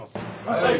はい。